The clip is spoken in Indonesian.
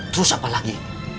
terus apa lagi